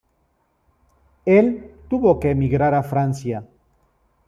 Él tuvo que emigrar a Francia.